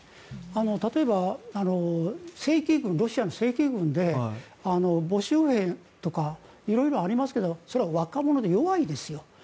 例えば、正規軍ロシアの正規軍で募集兵とか色々ありますけどそれは若者で弱いですよ。